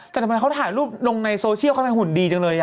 จังหว่าเขาถ่ายรูปลงในโซเชียลเขาเป็นหุ่นดีจังเลยอ่ะ